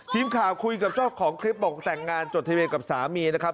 ทีมข่าวคุยกับเจ้าของคลิปบอกแต่งงานจดทะเบียนกับสามีนะครับ